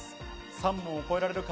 ３問を超えられるか？